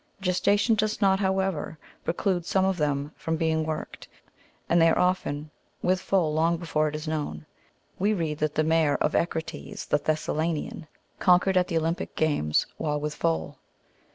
Gestation does not, however, preclude some of them from being worked, and they are often with foal long before it is known. We read that the mare of Echecrates, the Thessalian, conquered at the Olympic games, while with foal.